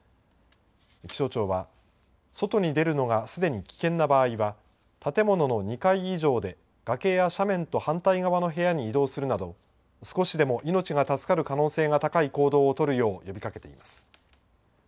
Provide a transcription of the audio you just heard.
気象庁は、外に出るのがすでに危険な場合は、建物の２階以上で崖や斜面と反対側の部屋に移動するなど、少しでも命が助かる可能性が高い行動をとるよう呼びかけています。